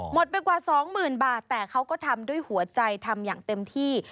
หมดไปกว่า๒๐๐๐๐บาทแต่เขาก็ทำด้วยหัวใจทำอย่างเต็มที่